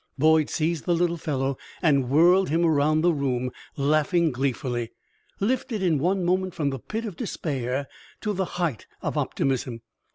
Boyd seized the little fellow and whirled him around the room, laughing gleefully, lifted in one moment from the pit of despair to the height of optimism.